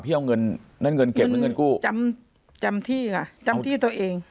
เอาเงินนั่นเงินเก็บหรือเงินกู้จำจำที่ค่ะจำที่ตัวเอง